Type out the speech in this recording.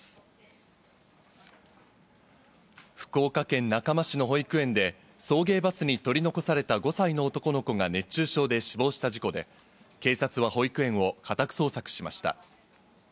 福岡県中間市の保育園で送迎バスに取り残された５歳の男の子が熱中症で死亡した事故で警察は保育園を家宅捜索しました。